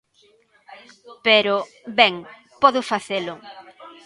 Pero, ben, podo facelo.